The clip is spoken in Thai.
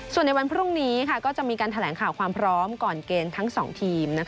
ส่วนในวันพรุ่งนี้ก็จะมีการแถลงข่าวความพร้อมก่อนเกมทั้ง๒ทีม